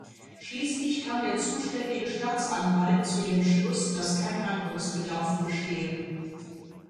Schließlich kam der zuständige Staatsanwalt zu dem Schluss, dass kein Handlungsbedarf bestehe.